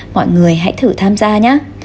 mọi người hãy thử tham gia nhé